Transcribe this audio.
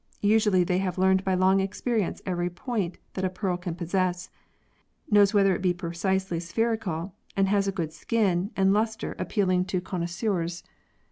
Usually they have learned by long experience every "point" that a pearl can possess, knows whether it be precisely spherical, and has a good "skin" and a lustre appealing to vi] A CEYLON PEARL FISHERY 79 connoisseurs.